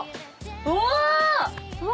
うわ！